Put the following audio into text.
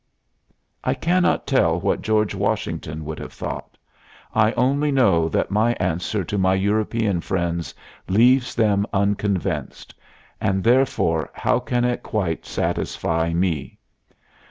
I cannot tell what George Washington would have thought; I only know that my answer to my European friends leaves them unconvinced and therefore how can it quite satisfy me?